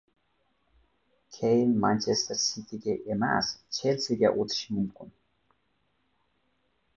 Keyn "Manchester Siti"ga emas, "Chelsi"ga o‘tishi mumkin